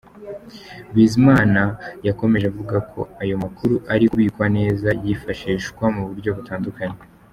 Bizimana yakomeje avuga ko ayo makuru ari kubikwa neza yifashishwa mu buryo butandukanye.